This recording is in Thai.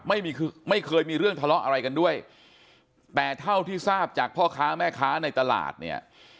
ไม่เคยมีเรื่องทะเลาะอะไรกันด้วยแต่เท่าที่ทราบจากพ่อค้าแม่ค้าในตลาดเนี่ย